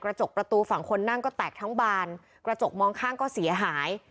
จกประตูฝั่งคนนั่งก็แตกทั้งบานกระจกมองข้างก็เสียหาย